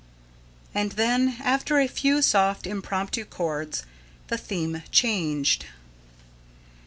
And then, after a few soft, impromptu chords; the theme changed.